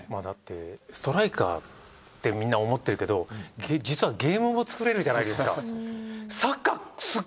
だってストライカーってみんな思ってるけど実はゲームも作れるじゃないですか。